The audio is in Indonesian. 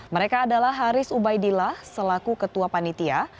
mereka adalah haris ubaidillah selaku ketua panitia